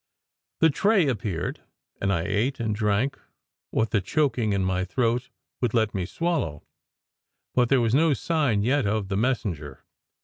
The tray appeared, and I ate and drank what the choking in my throat would let me swallow, but there was no sign yet of the messenger.